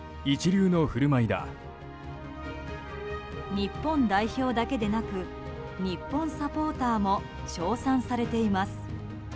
日本代表だけでなく日本サポーターも称賛されています。